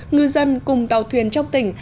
ngư dân cùng tàu thuyền trong tỉnh